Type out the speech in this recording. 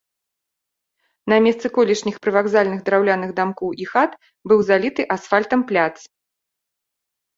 На месцы колішніх прывакзальных драўляных дамкоў і хат быў заліты асфальтам пляц.